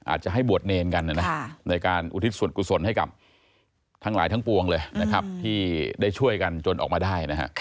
อาจจะให้บวชเนรกันนะในการอุทิศส่วนกุศลให้กับทั้งหลายทั้งปวงเลยนะครับที่ได้ช่วยกันจนออกมาได้นะฮะ